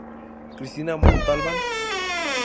Cristina Montalbán.